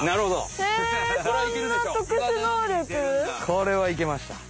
これはいけました。